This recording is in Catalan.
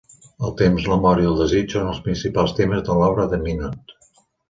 El temps, la mort i el desig són els principals temes de l'obra de Minot.